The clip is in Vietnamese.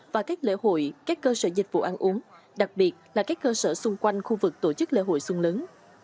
và các lễ hội các cơ sở dịch vụ ăn uống đặc biệt là các cơ sở xung quanh khu vực tổ chức lễ hội xuân lớn